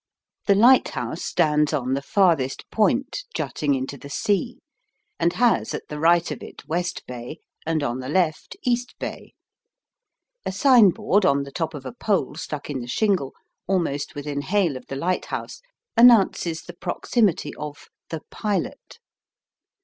The lighthouse stands on the farthest point, jutting into the sea, and has at the right of it West Bay, and on the left East Bay. A signboard on the top of a pole stuck in the shingle, almost within hail of the lighthouse, announces the proximity of "The Pilot."